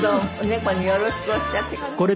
猫によろしくおっしゃってください。